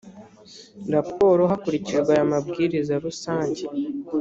raporo hakurikijwe aya mabwiriza rusange